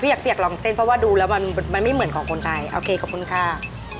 อยากเปียกลองเส้นเพราะว่าดูแล้วมันไม่เหมือนของคนไทยโอเคขอบคุณค่ะ